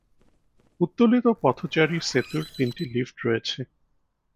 উত্তোলিত পথচারী সেতুর তিনটি লিফট রয়েছে।